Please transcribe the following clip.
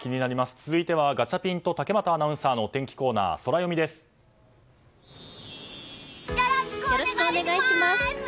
続いてはガチャピンと竹俣アナウンサーのよろしくお願いします！